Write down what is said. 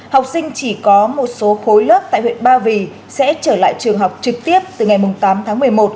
học sinh chỉ có một số khối lớp tại huyện ba vì sẽ trở lại trường học trực tiếp từ ngày tám tháng một mươi một